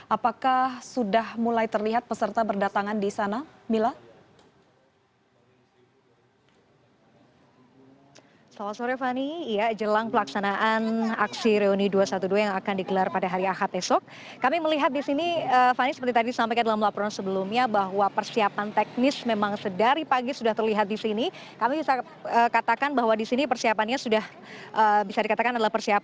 apakah sudah mulai terlihat peserta berdatangan di sana